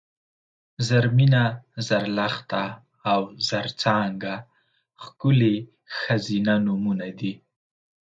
زرمېنه ، زرلښته او زرڅانګه ښکلي ښځینه نومونه دي